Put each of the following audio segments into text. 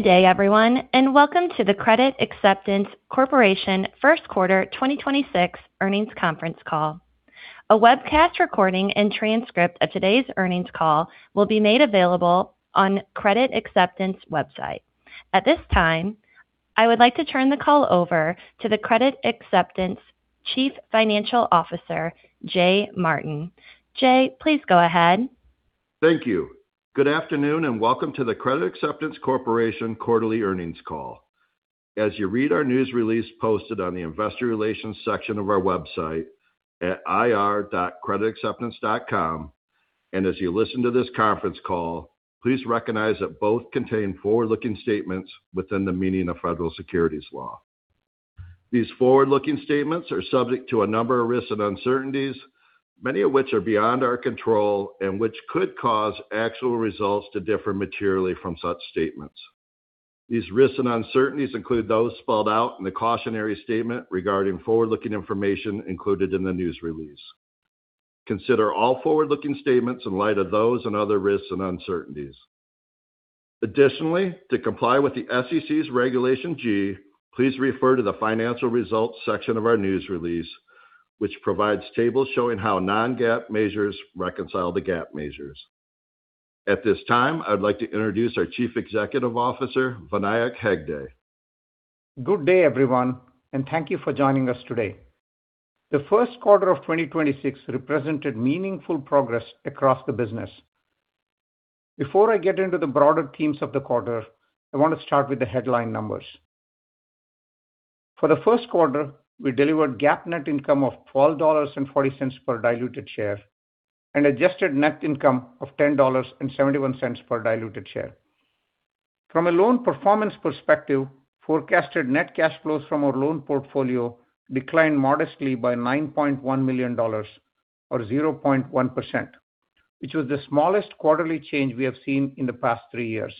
Good day, everyone, and welcome to the Credit Acceptance Corporation First Quarter 2026 Earnings Conference Call. A webcast recording and transcript of today's earnings call will be made available on Credit Acceptance website. At this time, I would like to turn the call over to the Credit Acceptance Chief Financial Officer, Jay Martin. Jay, please go ahead. Thank you. Good afternoon, and welcome to the Credit Acceptance Corporation Quarterly Earnings Call. As you read our news release posted on the investor relations section of our website at ir.creditacceptance.com, and as you listen to this conference call, please recognize that both contain forward-looking statements within the meaning of Federal Securities law. These forward-looking statements are subject to a number of risks and uncertainties, many of which are beyond our control, and which could cause actual results to differ materially from such statements. These risks and uncertainties include those spelled out in the cautionary statement regarding forward-looking information included in the news release. Consider all forward-looking statements in light of those and other risks and uncertainties. Additionally, to comply with the SEC's Regulation G, please refer to the financial results section of our news release, which provides tables showing how non-GAAP measures reconcile the GAAP measures. At this time, I'd like to introduce our Chief Executive Officer, Vinayak Hegde. Good day, everyone, and thank you for joining us today. The first quarter of 2026 represented meaningful progress across the business. Before I get into the broader themes of the quarter, I want to start with the headline numbers. For the first quarter, I delivered GAAP net income of $12.40 per diluted share and adjusted net income of $10.71 per diluted share. From a loan performance perspective, forecasted net cash flows from our loan portfolio declined modestly by $9.1 million or 0.1%, which was the smallest quarterly change we have seen in the past three years.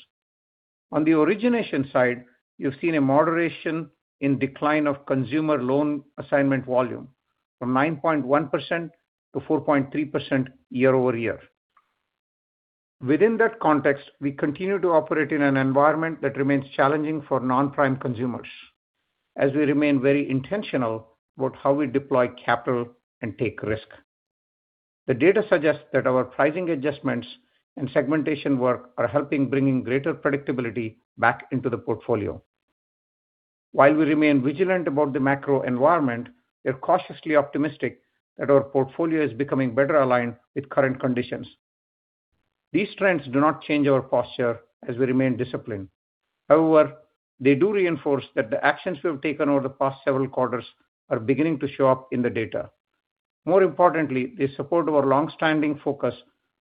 On the origination side, you've seen a moderation in decline of consumer loan assignment volume from 9.1% to 4.3% year-over-year. Within that context, we continue to operate in an environment that remains challenging for non-prime consumers as we remain very intentional about how we deploy capital and take risk. The data suggests that our pricing adjustments and segmentation work are helping bringing greater predictability back into the portfolio. While we remain vigilant about the macro environment, we are cautiously optimistic that our portfolio is becoming better aligned with current conditions. These trends do not change our posture as we remain disciplined. They do reinforce that the actions we have taken over the past several quarters are beginning to show up in the data. More importantly, they support our long-standing focus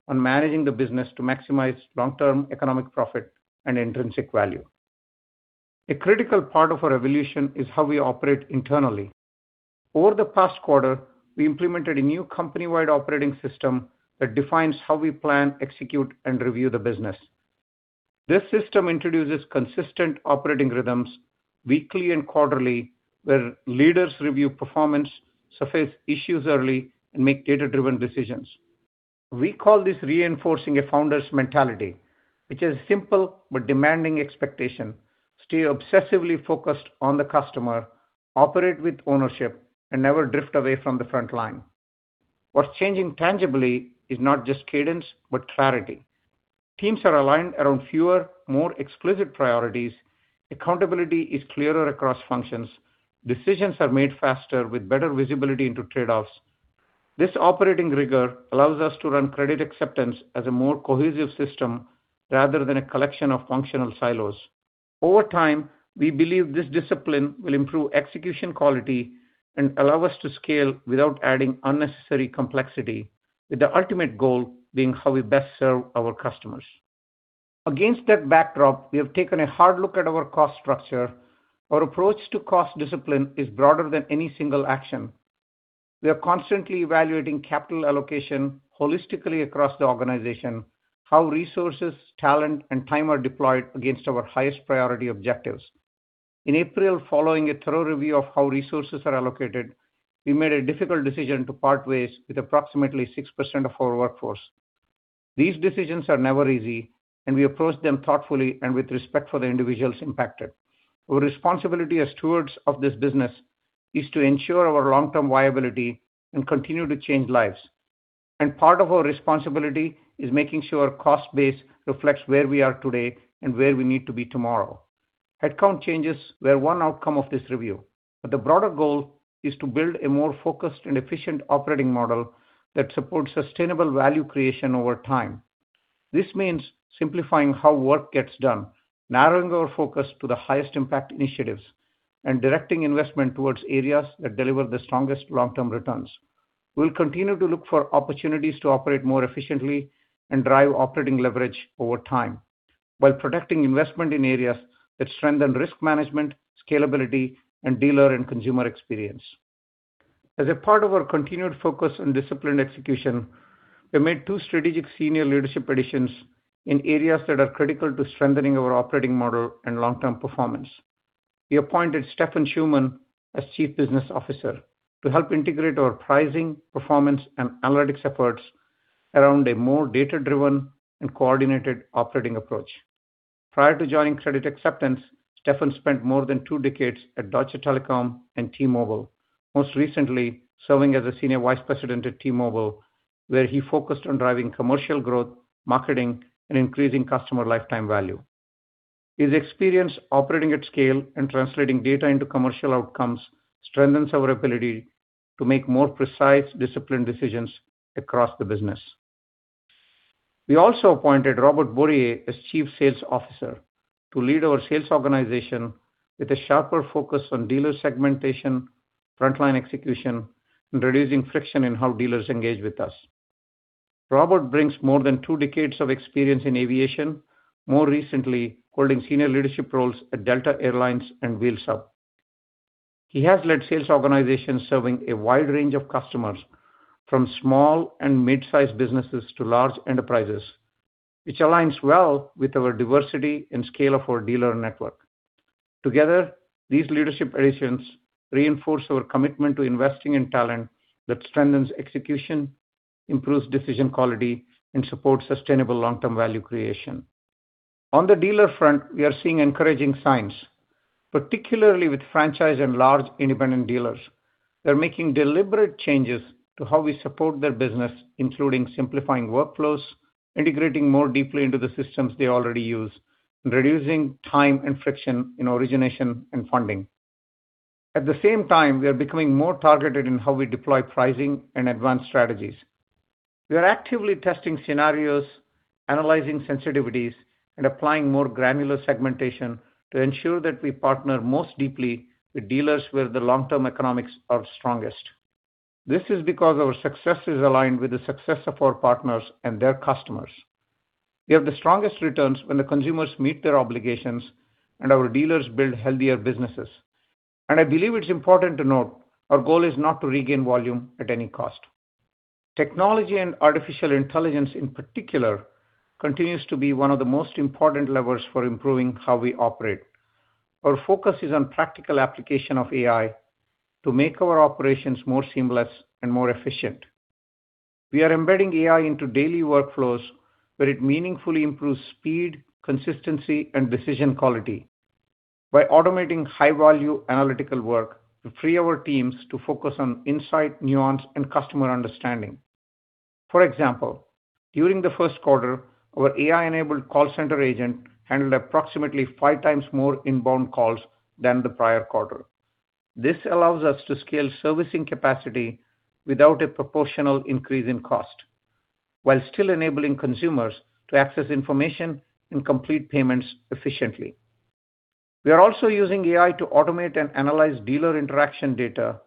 on managing the business to maximize long-term economic profit and intrinsic value. A critical part of our evolution is how we operate internally. Over the past quarter, we implemented a new company-wide operating system that defines how we plan, execute, and review the business. This system introduces consistent operating rhythms weekly and quarterly, where leaders review performance, surface issues early and make data-driven decisions. We call this reinforcing a founder's mentality, which is simple but demanding expectation. Stay obsessively focused on the customer, operate with ownership, and never drift away from the front line. What's changing tangibly is not just cadence, but clarity. Teams are aligned around fewer, more explicit priorities. Accountability is clearer across functions. Decisions are made faster with better visibility into trade-offs. This operating rigor allows us to run Credit Acceptance as a more cohesive system rather than a collection of functional silos. Over time, we believe this discipline will improve execution quality and allow us to scale without adding unnecessary complexity, with the ultimate goal being how we best serve our customers. Against that backdrop, we have taken a hard look at our cost structure. Our approach to cost discipline is broader than any single action. We are constantly evaluating capital allocation holistically across the organization, how resources, talent, and time are deployed against our highest priority objectives. In April, following a thorough review of how resources are allocated, we made a difficult decision to part ways with approximately 6% of our workforce. These decisions are never easy, and we approach them thoughtfully and with respect for the individuals impacted. Our responsibility as stewards of this business is to ensure our long-term viability and continue to change lives. Part of our responsibility is making sure our cost base reflects where we are today and where we need to be tomorrow. Headcount changes were one outcome of this review, but the broader goal is to build a more focused and efficient operating model that supports sustainable value creation over time. This means simplifying how work gets done, narrowing our focus to the highest impact initiatives, and directing investment towards areas that deliver the strongest long-term returns. We'll continue to look for opportunities to operate more efficiently and drive operating leverage over time while protecting investment in areas that strengthen risk management, scalability, and dealer and consumer experience. As a part of our continued focus on disciplined execution, we made two strategic Senior Leadership additions in areas that are critical to strengthening our operating model and long-term performance. We appointed Steffen Schumann as Chief Business Officer to help integrate our pricing, performance, and analytics efforts around a more data-driven and coordinated operating approach. Prior to joining Credit Acceptance, Steffen spent more than two decades at Deutsche Telekom and T-Mobile, most recently serving as a Senior Vice President at T-Mobile, where he focused on driving commercial growth, marketing, and increasing customer lifetime value. His experience operating at scale and translating data into commercial outcomes strengthens our ability to make more precise, disciplined decisions across the business. We also appointed Robert Bourrier as Chief Sales Officer to lead our sales organization with a sharper focus on dealer segmentation, frontline execution, and reducing friction in how dealers engage with us. Robert brings more than two decades of experience in aviation, more recently holding senior leadership roles at Delta Air Lines and Wheels Up. He has led sales organizations serving a wide range of customers from small and mid-sized businesses to large enterprises, which aligns well with our diversity and scale of our dealer network. Together, these leadership additions reinforce our commitment to investing in talent that strengthens execution, improves decision quality, and supports sustainable long-term value creation. On the dealer front, we are seeing encouraging signs, particularly with franchise and large independent dealers. They're making deliberate changes to how we support their business, including simplifying workflows, integrating more deeply into the systems they already use, and reducing time and friction in origination and funding. At the same time, we are becoming more targeted in how we deploy pricing and advanced strategies. We are actively testing scenarios, analyzing sensitivities, and applying more granular segmentation to ensure that we partner most deeply with dealers where the long-term economics are strongest. This is because our success is aligned with the success of our partners and their customers. We have the strongest returns when the consumers meet their obligations and our dealers build healthier businesses. I believe it's important to note our goal is not to regain volume at any cost. Technology and artificial intelligence in particular continues to be one of the most important levers for improving how we operate. Our focus is on practical application of AI to make our operations more seamless and more efficient. We are embedding AI into daily workflows where it meaningfully improves speed, consistency, and decision quality by automating high-value analytical work to free our teams to focus on insight, nuance, and customer understanding. For example, during the first quarter, our AI-enabled call center agent handled approximately five times more inbound calls than the prior quarter. This allows us to scale servicing capacity without a proportional increase in cost while still enabling consumers to access information and complete payments efficiently. We are also using AI to automate and analyze dealer interaction data,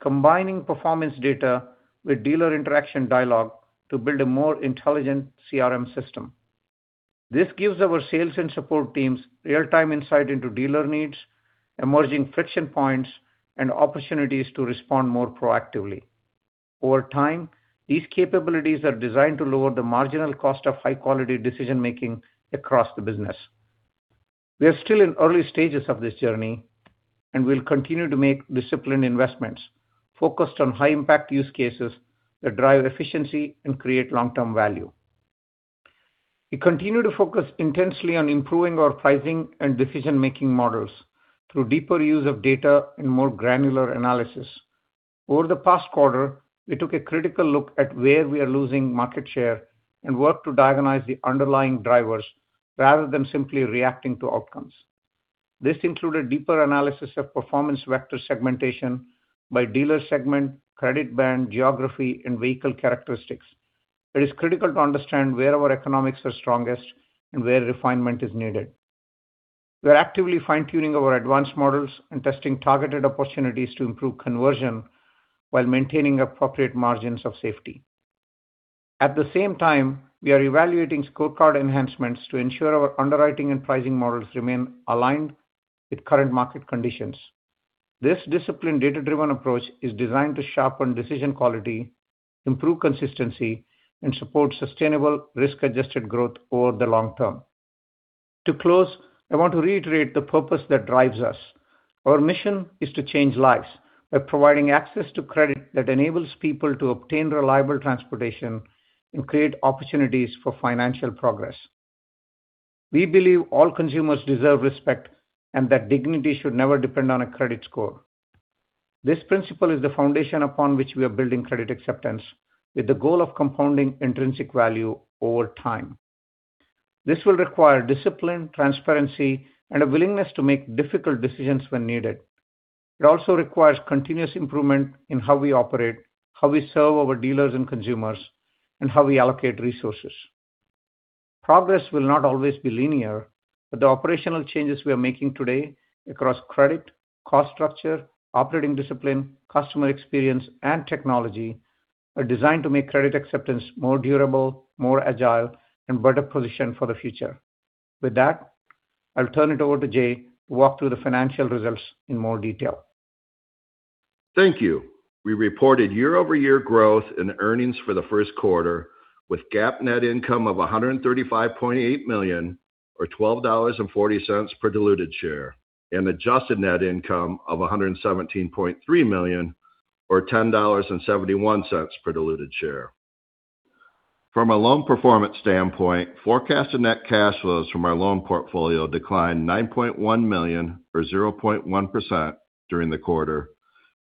combining performance data with dealer interaction dialogue to build a more intelligent CRM system. This gives our sales and support teams real-time insight into dealer needs, emerging friction points, and opportunities to respond more proactively. Over time, these capabilities are designed to lower the marginal cost of high-quality decision-making across the business. We are still in early stages of this journey, and we'll continue to make disciplined investments focused on high-impact use cases that drive efficiency and create long-term value. We continue to focus intensely on improving our pricing and decision-making models through deeper use of data and more granular analysis. Over the past quarter, we took a critical look at where we are losing market share and work to diagnose the underlying drivers rather than simply reacting to outcomes. This included deeper analysis of performance vector segmentation by dealer segment, credit band, geography, and vehicle characteristics. It is critical to understand where our economics are strongest and where refinement is needed. We are actively fine-tuning our advanced models and testing targeted opportunities to improve conversion while maintaining appropriate margins of safety. At the same time, we are evaluating scorecard enhancements to ensure our underwriting and pricing models remain aligned with current market conditions. This disciplined data-driven approach is designed to sharpen decision quality, improve consistency, and support sustainable risk-adjusted growth over the long term. To close, I want to reiterate the purpose that drives us. Our mission is to change lives by providing access to credit that enables people to obtain reliable transportation and create opportunities for financial progress. We believe all consumers deserve respect and that dignity should never depend on a credit score. This principle is the foundation upon which we are building Credit Acceptance, with the goal of compounding intrinsic value over time. This will require discipline, transparency, and a willingness to make difficult decisions when needed. It also requires continuous improvement in how we operate, how we serve our dealers and consumers, and how we allocate resources. Progress will not always be linear, but the operational changes we are making today across credit, cost structure, operating discipline, customer experience, and technology are designed to make Credit Acceptance more durable, more agile, and better positioned for the future. With that, I'll turn it over to Jay to walk through the financial results in more detail. Thank you. We reported year-over-year growth in earnings for the first quarter, with GAAP net income of $135.8 million, or $12.40 per diluted share, and adjusted net income of $117.3 million, or $10.71 per diluted share. From a loan performance standpoint, forecasted net cash flows from our loan portfolio declined $9.1 million, or 0.1% during the quarter,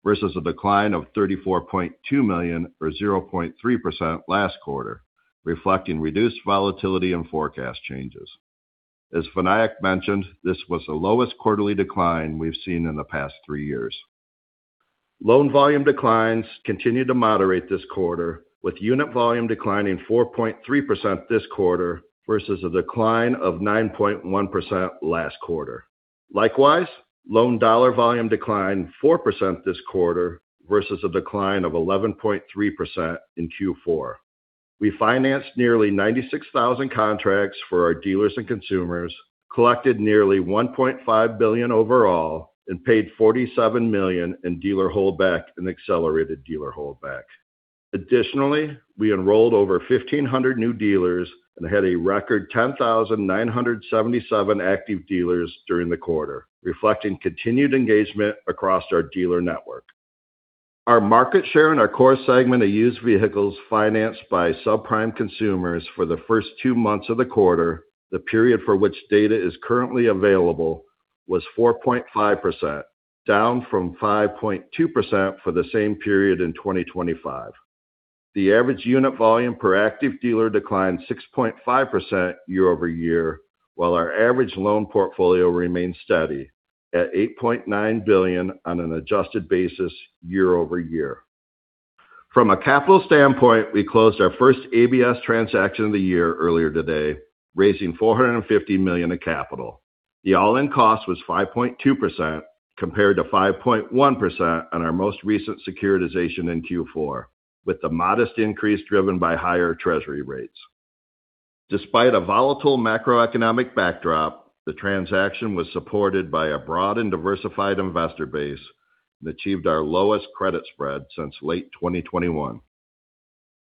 versus a decline of $34.2 million, or 0.3% last quarter, reflecting reduced volatility and forecast changes. As Vinayak mentioned, this was the lowest quarterly decline we've seen in the past three years. Loan volume declines continued to moderate this quarter, with unit volume declining 4.3% this quarter versus a decline of 9.1% last quarter. Likewise, loan dollar volume declined 4% this quarter versus a decline of 11.3% in Q4. We financed nearly 96,000 contracts for our dealers and consumers, collected nearly $1.5 billion overall, and paid $47 million in dealer holdback and accelerated dealer holdback. We enrolled over 1,500 new dealers and had a record 10,977 active dealers during the quarter, reflecting continued engagement across our dealer network. Our market share in our core segment of used vehicles financed by subprime consumers for the first two months of the quarter, the period for which data is currently available, was 4.5%, down from 5.2% for the same period in 2025. The average unit volume per active dealer declined 6.5% year-over-year, while our average loan portfolio remained steady at $8.9 billion on an adjusted basis year-over-year. From a capital standpoint, we closed our first ABS transaction of the year earlier today, raising $450 million of capital. The all-in cost was 5.2% compared to 5.1% on our most recent securitization in Q4, with the modest increase driven by higher Treasury rates. Despite a volatile macroeconomic backdrop, the transaction was supported by a broad and diversified investor base and achieved our lowest credit spread since late 2021.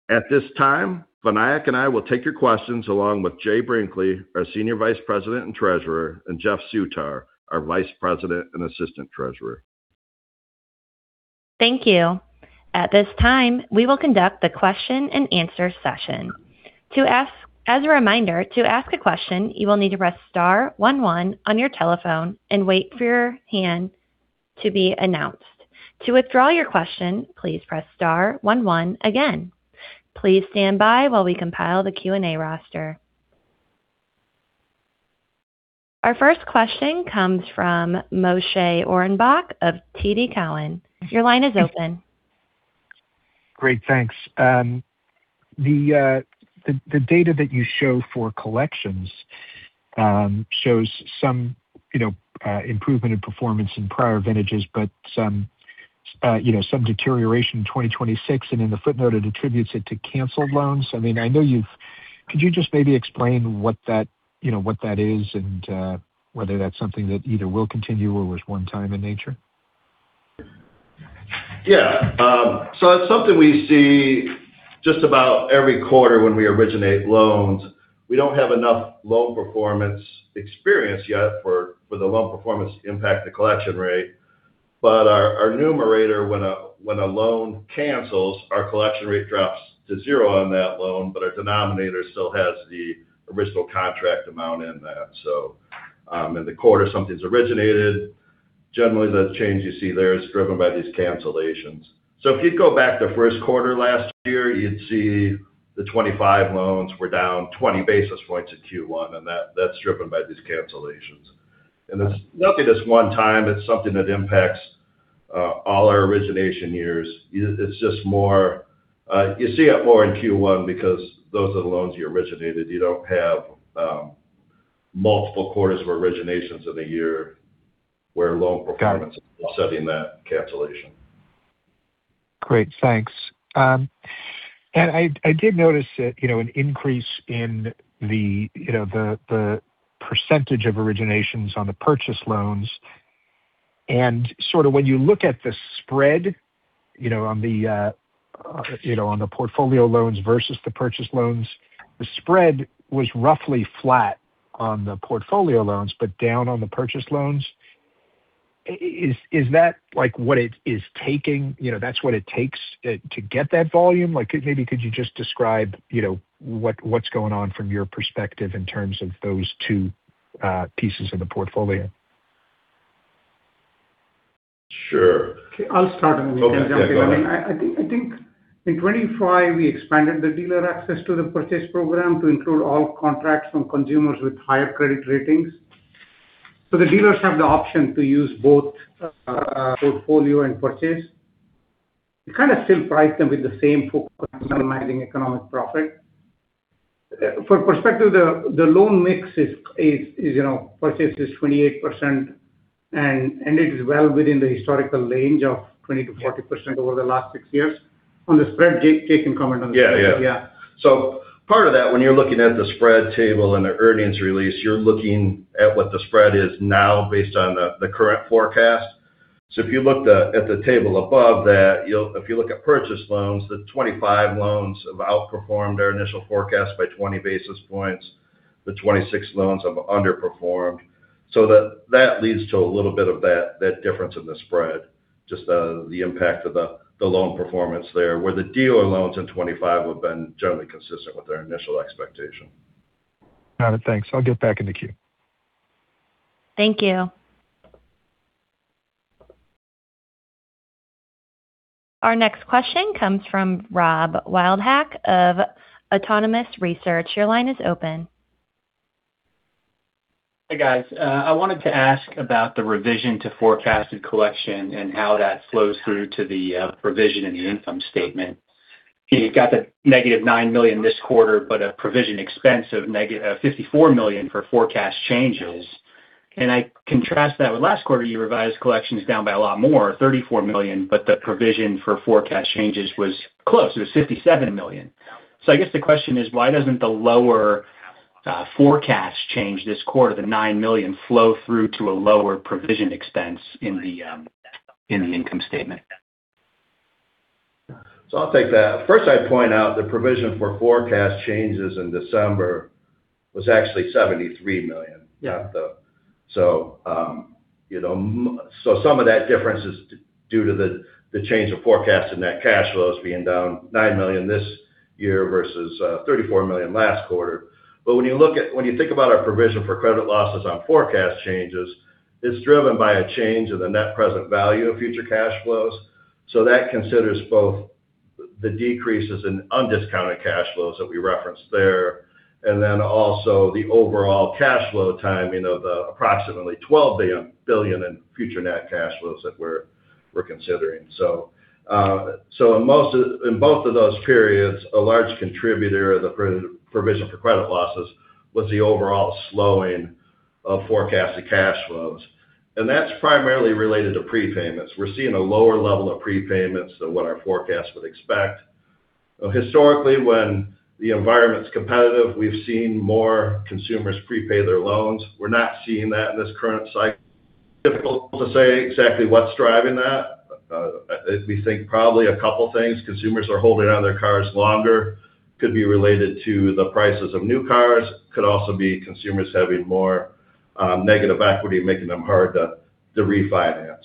At this time, Vinayak and I will take your questions along with Jay Brinkley, our Senior Vice President and Treasurer, and Jeff Soutar, our Vice President and Assistant Treasurer. Thank you. At this time, we will conduct the question-and-answer session. As a reminder, to ask a question, you will need to press star one one on your telephone and wait for your hand to be announced. To withdraw your question, please press star one one again. Please stand by while we compile the Q&A roster. Our first question comes from Moshe Orenbuch of TD Cowen. Your line is open. Great. Thanks. The data that you show for collections, shows some, you know, improvement in performance in prior vintages, but some, you know, some deterioration in 2026, and in the footnote, it attributes it to canceled loans. I mean, could you just maybe explain what that, you know, what that is and, whether that's something that either will continue or was one time in nature? Yeah. It's something we see just about every quarter when we originate loans. We don't have enough loan performance experience yet for the loan performance to impact the collection rate. Our numerator, when a loan cancels, our collection rate drops to zero on that loan, but our denominator still has the original contract amount in that. In the quarter something's originated, generally the change you see there is driven by these cancellations. If you go back to first quarter last year, you'd see the 25 loans were down 20 basis points in Q1, and that's driven by these cancellations. It's nothing this one time. It's something that impacts all our origination years. It's just more, you see it more in Q1 because those are the loans you originated. You don't have multiple quarters of originations in the year, where loan performance- Got it. ...is offsetting that cancellation. Great. Thanks. I did notice that, you know, an increase in the, you know, the percentage of originations on the purchase loans and sort of when you look at the spread, you know, on the, you know, on the portfolio loans versus the purchase loans, the spread was roughly flat on the portfolio loans but down on the purchase loans. Is that, like, what it takes to get that volume? Like, could you just describe, you know, what's going on from your perspective in terms of those two pieces of the portfolio? Sure. Okay. I'll start and then you can jump in. Okay. Yeah, go ahead. I mean, I think in 2025 we expanded the dealer access to the Purchase Program to include all contracts from consumers with higher credit ratings. The dealers have the option to use both Portfolio Program and Purchase Program. We kind of still price them with the same focus on maximizing economic profit. For perspective, the loan mix is, you know, Purchase Program is 28%, and it is well within the historical range of 20%-40% over the last six years. On the spread, Jay can comment on the spread. Yeah, yeah. Yeah. Part of that, when you're looking at the spread table in the earnings release, you're looking at what the spread is now based on the current forecast. If you look at the table above that, if you look at purchase loans, the 25 loans have outperformed our initial forecast by 20 basis points. The 26 loans have underperformed. That leads to a little bit of that difference in the spread, just the impact of the loan performance there, where the dealer loans in 25 have been generally consistent with our initial expectation. Got it. Thanks. I'll get back in the queue. Thank you. Our next question comes from Robert Wildhack of Autonomous Research. Your line is open. Hey, guys. I wanted to ask about the revision to forecasted collection and how that flows through to the provision in the income statement. You've got the -$9 million this quarter, but a provision expense of $54 million for forecast changes. I contrast that with last quarter, you revised collections down by a lot more, $34 million, but the provision for forecast changes was close. It was $57 million. I guess the question is, why doesn't the lower forecast change this quarter, the $9 million, flow through to a lower provision expense in the income statement? I'll take that. First, I'd point out the provision for forecast changes in December was actually $73 million. Yeah. You know, some of that difference is due to the change of forecast in net cash flows being down $9 million this year versus $34 million last quarter. When you think about our provision for credit losses on forecast changes, it's driven by a change in the net present value of future cash flows. That considers both the decreases in undiscounted cash flows that we referenced there, also the overall cash flow timing of the approximately $12 billion in future net cash flows that we're considering. In both of those periods, a large contributor of the provision for credit losses was the overall slowing of forecasted cash flows. That's primarily related to prepayments. We're seeing a lower level of prepayments than what our forecast would expect. Historically, when the environment's competitive, we've seen more consumers prepay their loans. We're not seeing that in this current cycle. Difficult to say exactly what's driving that. We think probably a couple things. Consumers are holding on their cars longer. Could be related to the prices of new cars. Could also be consumers having more negative equity, making them hard to refinance.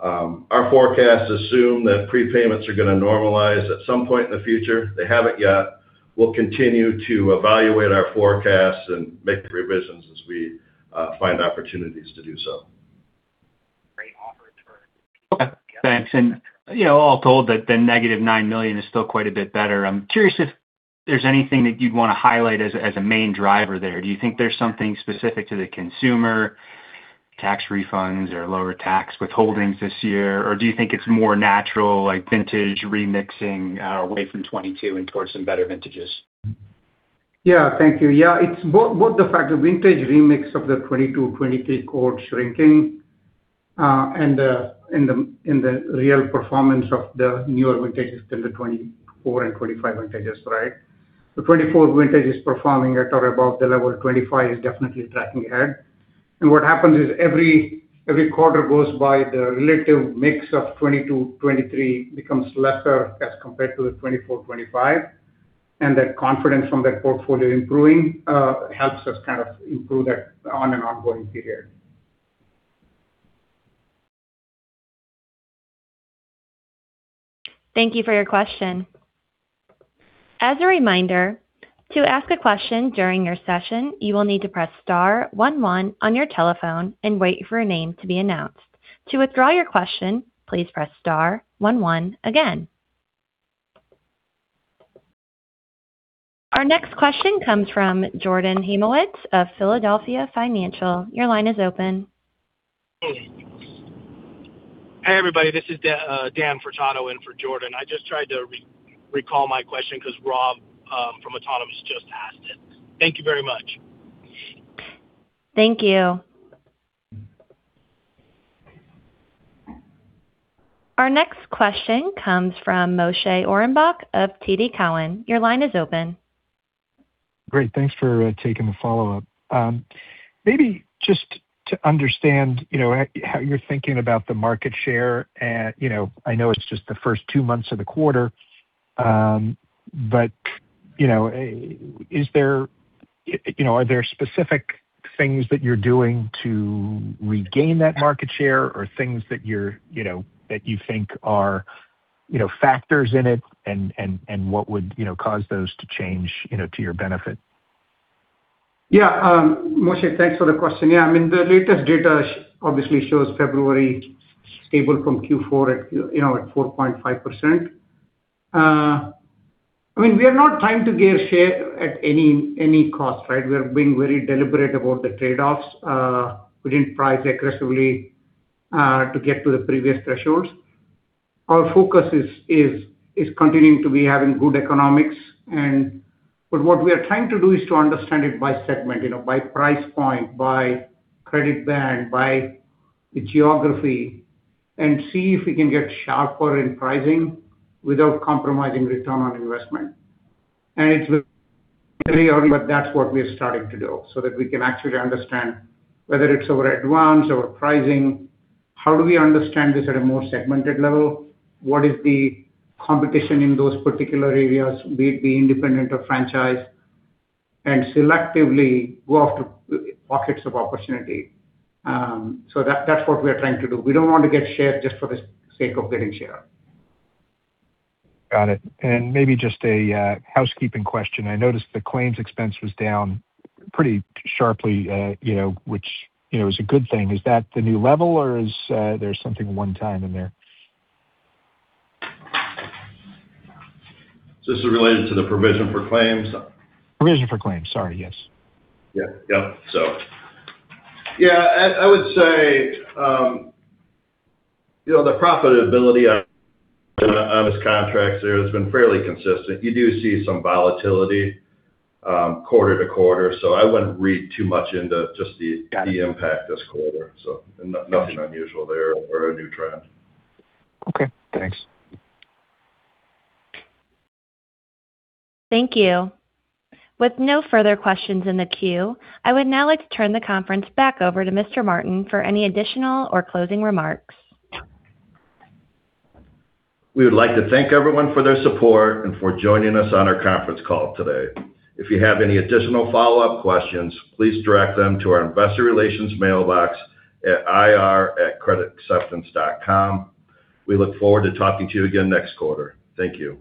Our forecasts assume that prepayments are going to normalize at some point in the future. They haven't yet. We'll continue to evaluate our forecasts and make revisions as we find opportunities to do so. Okay, thanks. You know, all told that the negative $9 million is still quite a bit better. I'm curious if there's anything that you'd want to highlight as a main driver there. Do you think there's something specific to the consumer tax refunds or lower tax withholdings this year? Or do you think it's more natural, like vintage remixing, away from 2022 and towards some better vintages? Yeah. Thank you. Yeah, it's both the fact the vintage remix of the 2022/2023 cohort shrinking, and the real performance of the newer vintages than the 2024 and 2025 vintages, right? The 2024 vintage is performing at or above the level. 2025 is definitely tracking ahead. What happens is every quarter goes by the relative mix of 2022/2023 becomes lesser as compared to the 2024/2025. That confidence from that portfolio improving helps us kind of improve that on an ongoing period. Thank you for your question. As a reminder, to ask a question during your session, you will need to press star one one on your telephone and wait for your name to be announced. To withdraw your question, please press star one one again. Our next question comes from Jordan Hymowitz of Philadelphia Financial. Your line is open. Hey. Hey, everybody. This is Dan Furtado in for Jordan. I just tried to recall my question because Rob from Autonomous just asked it. Thank you very much. Thank you. Our next question comes from Moshe Orenbuch of TD Cowen. Your line is open. Great. Thanks for taking the follow-up. Maybe just to understand, you know, how you're thinking about the market share. You know, I know it's just the first two months of the quarter. You know, is there, you know, are there specific things that you're doing to regain that market share or things that you're, you know, that you think are, you know, factors in it and, and what would, you know, cause those to change, you know, to your benefit? Yeah. Moshe, thanks for the question. Yeah, I mean, the latest data obviously shows February stable from Q4 at, you know, at 4.5%. I mean, we are not trying to gain share at any cost, right? We are being very deliberate about the trade-offs, we didn't price aggressively, to get to the previous thresholds. Our focus is continuing to be having good economics. What we are trying to do is to understand it by segment, you know, by price point, by credit band, by geography and see if we can get sharper in pricing without compromising return on investment. It's very early, but that's what we are starting to do so that we can actually understand whether it's over advance or pricing, how do we understand this at a more segmented level? What is the competition in those particular areas, be it independent of franchise, and selectively go after pockets of opportunity. That's what we are trying to do. We don't want to get share just for the sake of getting share. Got it. Maybe just a housekeeping question. I noticed the claims expense was down pretty sharply, you know, which, you know, is a good thing. Is that the new level or is there something one time in there? This is related to the provision for claims? Provision for claims. Sorry, yes. Yeah. Yep. Yeah, I would say, you know, the profitability on those contracts there has been fairly consistent. You do see some volatility, quarter to quarter, so I wouldn't read too much into- Got it. ...the impact this quarter. Nothing unusual there or a new trend. Okay, thanks. Thank you. With no further questions in the queue, I would now like to turn the conference back over to Mr. Martin for any additional or closing remarks. We would like to thank everyone for their support and for joining us on our conference call today. If you have any additional follow-up questions, please direct them to our investor relations mailbox at ir@creditacceptance.com. We look forward to talking to you again next quarter. Thank you.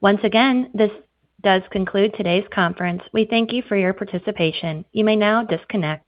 Once again, this does conclude today's conference. We thank you for your participation. You may now disconnect.